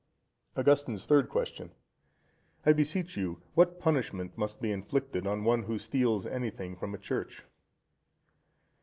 Augustine's Third Question.—I beseech you, what punishment must be inflicted on one who steals anything from a church?